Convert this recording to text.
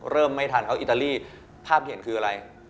ไม่ทันเขาอิตาลีภาพเห็นคืออะไร